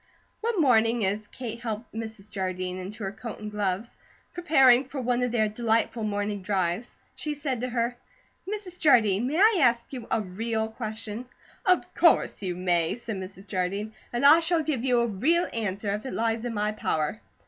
One morning as Kate helped Mrs. Jardine into her coat and gloves, preparing for one of their delightful morning drives, she said to her: "Mrs. Jardine, may I ask you a REAL question?" "Of course you may," said Mrs. Jardine, "and I shall give you a 'real' answer if it lies in my power."